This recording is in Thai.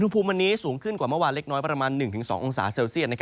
ภูมิวันนี้สูงขึ้นกว่าเมื่อวานเล็กน้อยประมาณ๑๒องศาเซลเซียต